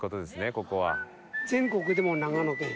ここは。